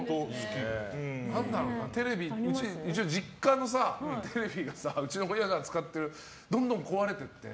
うちの実家のテレビがさうちの親が使っているやつどんどん壊れていって。